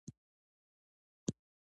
کاروبار دوامداره هڅه غواړي.